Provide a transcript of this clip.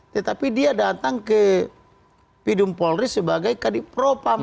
tetapi dia datang ke pidum polri sebagai kadipropam